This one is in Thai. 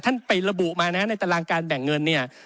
ไประบุมานะฮะในตารางการแบ่งเงินเนี่ย